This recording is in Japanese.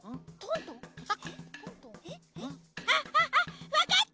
あっあっわかった！